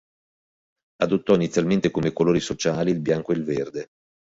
Adottò inizialmente come colori sociali il bianco e il verde.